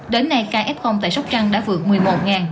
đến nay ca f tại sóc trăng đã vượt một mươi một